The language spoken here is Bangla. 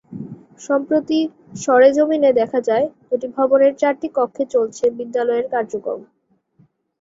সম্প্রতি সরেজমিনে দেখা যায়, দুটি ভবনের চারটি কক্ষে চলছে বিদ্যালয়ের কার্যক্রম।